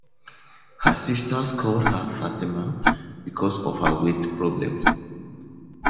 Her sisters called her Fatima because of her weight problems.